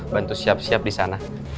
bantu siap siap disana